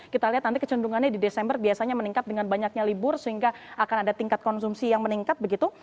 kita lihat nanti kecenderungannya di desember biasanya meningkat dengan banyaknya libur sehingga akan ada tingkat konsumsi yang meningkat begitu